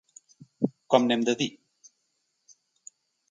Com n’hem de dir?